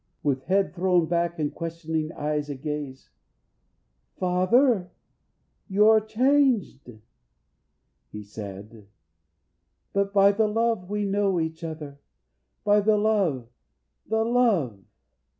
With head thrown back, and questioning eyes agaze: "Father you're changed!" he said, "but by the love, We know each other by the love, the love!"